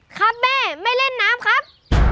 ครับแม่ไม่เล่นน้ำครับ